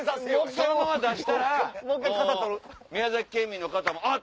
そのまま出したら宮崎県民の方もあっ！